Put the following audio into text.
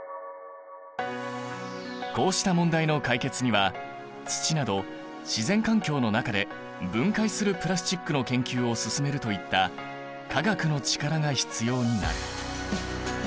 こうした問題の解決には土など自然環境の中で分解するプラスチックの研究を進めるといった化学の力が必要になる。